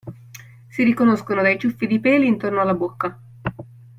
Si riconoscono dai ciuffi di peli intorno alla bocca.